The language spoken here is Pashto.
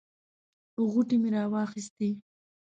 غوټې مې راواخیستې.